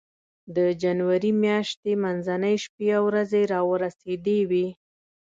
د جنوري میاشتې منځنۍ شپې او ورځې را ورسېدې وې.